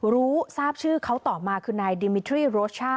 รู้ทราบชื่อเขาต่อมาคือนายดิมิทรี่โรช่า